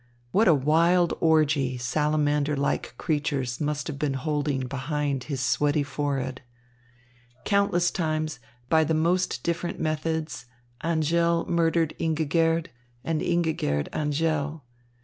What a wild orgy salamander like creatures must have been holding behind his sweaty forehead. Countless times, by the most different methods, Angèle murdered Ingigerd and Ingigerd Angèle.